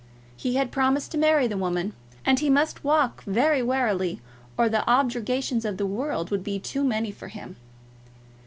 He had promised to marry the woman, and he must walk very warily, or the objurgations of the world would be too many for him.